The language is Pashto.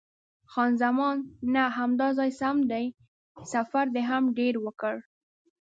خان زمان: نه، همدا ځای سم دی، سفر دې هم ډېر وکړ.